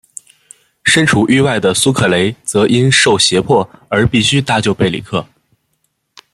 身处狱外的苏克雷则因受胁迫而必须搭救贝里克。